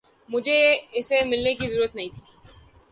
مجھے اسے ملنے کی ضرورت نہ تھی